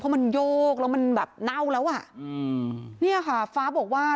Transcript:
เพราะมันโยกแล้วมันแบบเน่าแล้วอ่ะอืมเนี่ยค่ะฟ้าบอกว่า